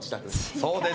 そうです。